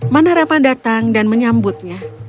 manah raman datang dan menyambutnya